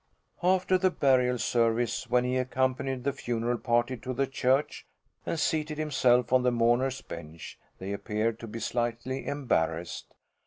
After the burial service, when he accompanied the funeral party to the church and seated himself on the mourners' bench, they appeared to be slightly embarrassed.